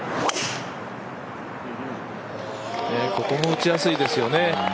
ここも打ちやすいですよね。